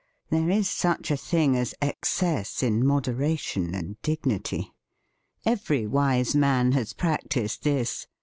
There is such a thing as excess in moderation and dig nity. Every wise man has practised this.